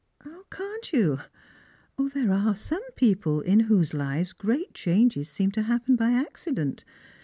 " Can't you ? There are some people in whose lives great changes seem to happen by accident.